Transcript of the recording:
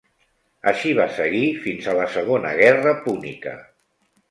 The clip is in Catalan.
Així va seguir fins a la Segona Guerra Púnica.